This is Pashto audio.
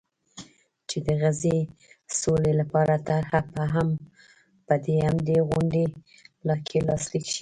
چې د غزې سولې لپاره طرحه به هم په همدې غونډه کې لاسلیک شي.